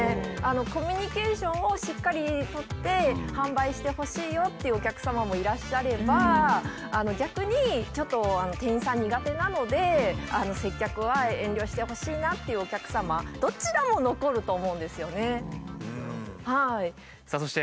コミュニケーションをしっかり取って販売してほしいよっていうお客様もいらっしゃれば逆にちょっと店員さん苦手なので接客は遠慮してほしいなっていうお客様どちらも残ると思うんですよね。